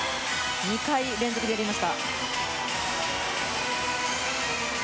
２回連続で入れました。